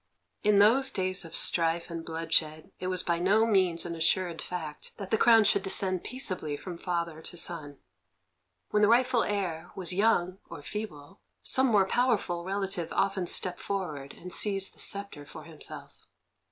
In those days of strife and bloodshed it was by no means an assured fact that the crown should descend peaceably from father to son. When the rightful heir was young or feeble, some more powerful relative often stepped forward and seized the sceptre for himself.